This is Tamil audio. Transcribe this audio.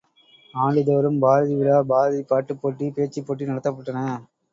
ஆண்டுதோறும் பாரதிவிழா, பாரதி பாட்டுப்போட்டி, பேச்சுப் போட்டிநடத்தப்பட்டன.